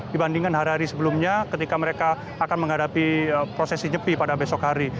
dibandingkan hari hari sebelumnya ketika mereka akan menghadapi prosesi nyepi pada besok hari